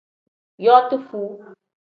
Yooti foo.